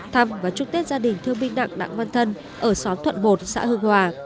thăm và chúc tết gia đình thương binh nặng nặng văn thân ở xóm thuận một xã hương hòa